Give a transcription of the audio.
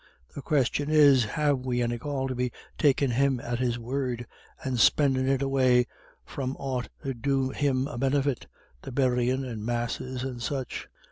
The question is, have we any call to be takin' him at his word, and spendin' it away from aught 'ud do him a benefit the buryin' and Masses and such?"